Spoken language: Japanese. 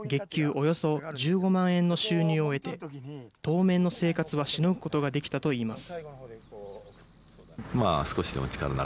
およそ１５万円の収入を得て、当面の生活はしのぐことができたといいます。